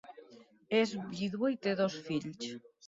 És vídua i té dos fills.